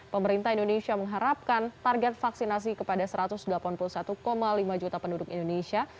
pemerintah indonesia mengharapkan target vaksinasi kepada satu ratus delapan puluh satu lima juta penduduk indonesia